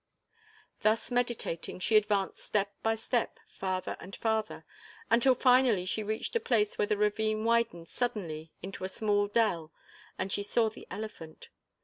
Thus meditating, she advanced step by step farther and farther, until finally she reached a place where the ravine widened suddenly into a small dell and she saw the elephant.